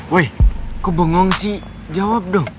woy kok bengong sih jawab dong